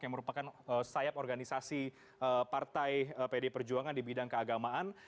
yang merupakan sayap organisasi partai pd perjuangan di bidang keagamaan